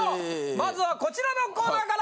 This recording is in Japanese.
まずはこちらのコーナーから！